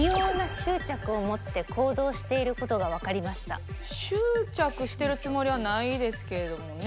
執着してるつもりはないですけれどもね。